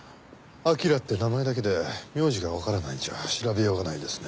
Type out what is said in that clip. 彬って名前だけで名字がわからないんじゃ調べようがないですね。